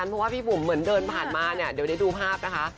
เพราะว่าพี่บุ๋มเหมือนเดินผ่านมาเนี่ยเดี๋ยวได้ดูภาพนะคะ